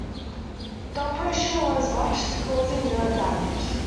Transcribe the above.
The operation was botched, causing nerve damage.